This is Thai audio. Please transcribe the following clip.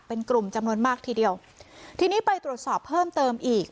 เป็นกลุ่มจำนวนมากทีเดียวทีนี้ไปตรวจสอบเพิ่มเติมอีก